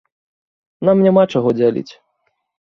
Нам няма чаго дзяліць.